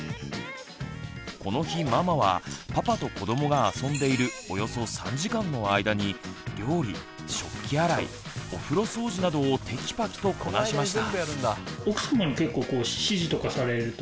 この日ママはパパと子どもが遊んでいるおよそ３時間の間に料理食器洗いお風呂掃除などをテキパキとこなしました。